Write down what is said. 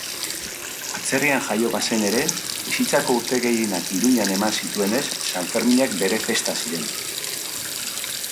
Atzerrian jaio bazen ere, bizitzako urte gehienak Iruñan eman zituenez, Sanferminak bere festa ziren.